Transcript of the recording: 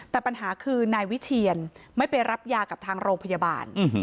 แต่ปัญหาคือนายวิเชียนไม่ไปรับยากับทางโรงพยาบาล